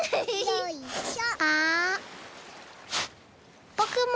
よいしょ。